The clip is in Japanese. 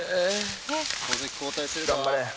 小関交代するか？